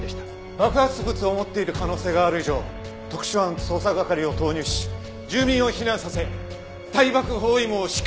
爆発物を持っている可能性がある以上特殊犯捜査係を投入し住民を避難させ対爆包囲網を敷く！